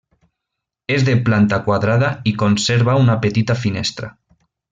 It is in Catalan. És de planta quadrada i conserva una petita finestra.